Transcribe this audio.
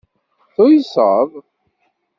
Tuyseḍ.